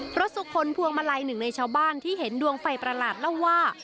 พระสุคลพวงมาลัยหนึ่งในชาวบ้านที่เห็นดวงไฟประหลาดเล่าว่า